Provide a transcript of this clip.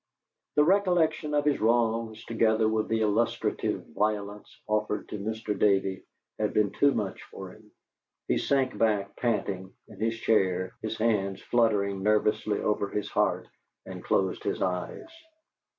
The recollection of his wrongs, together with the illustrative violence offered to Mr. Davey, had been too much for him. He sank back, panting, in his chair, his hands fluttering nervously over his heart, and closed his eyes.